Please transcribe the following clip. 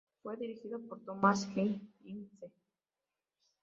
Fue dirigido por Thomas H. Ince.